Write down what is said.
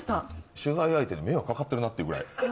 取材相手に迷惑かかってるなっていうぐらい。